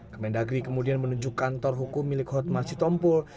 kementerian negeri kemudian menunjukkan tor hukum milik hotma sitompul